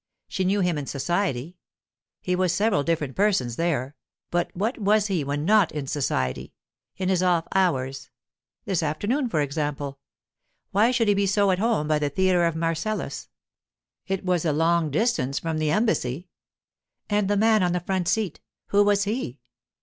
She knew him in society—he was several different persons there, but what was he when not in society? In his off hours? This afternoon, for example. Why should he be so at home by the Theatre of Marcellus? It was a long distance from the Embassy. And the man on the front seat, who was he?